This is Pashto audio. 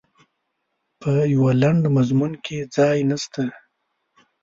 په یوه لنډ مضمون کې ځای نسته.